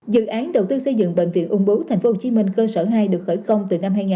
dự án đầu tư xây dựng bệnh viện ung bú tp hcm cơ sở hai được khởi công từ năm hai nghìn một mươi